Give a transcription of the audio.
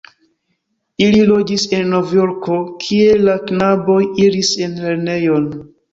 Ili loĝis en Novjorko, kie la knaboj iris en lernejon.